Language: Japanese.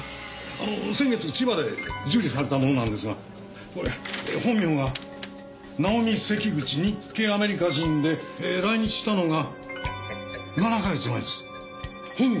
あの先月千葉で受理されたものなんですがこれ本名がナオミ・セキグチ日系アメリカ人で来日したのが７か月前です。